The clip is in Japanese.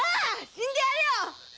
死んでやるよ